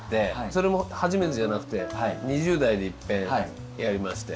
それも初めてじゃなくて２０代でいっぺんやりまして。